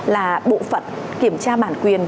là bộ phận kiểm tra bản quyền